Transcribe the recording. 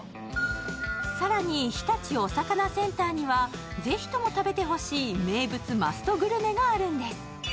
更に日立おさかなセンターにはぜひとも食べてほしい名物マストグルメがあるんです。